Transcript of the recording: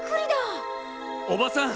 おばさん！